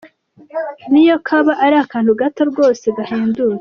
Niyo kaba ari akantu gato rwose gahendutse.